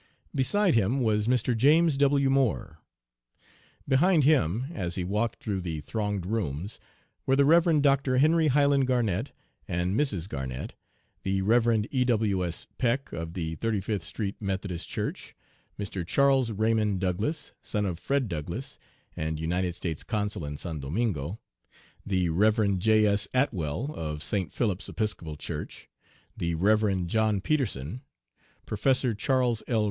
Beside him was Mr. James W. Moore. Behind him, as he walked through the thronged rooms, were the Rev. Dr. Henry Highland Garnett, and Mrs. Garnett; the Rev. E. W. S. Peck of the Thirty fifth Street Methodist Church; Mr. Charles Remond Douglass, son of Fred Douglass, and United States Consul in San Domingo; the Rev. J. S. Atwell, of St. Philip's Episcopal Church; the Rev. John Peterson; Professor Charles L.